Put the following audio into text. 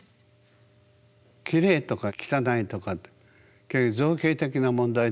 きれいとか汚いとかって結局造形的な問題でしょ。